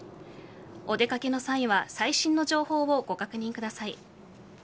お出かけの際は最新の情報をご確認ください。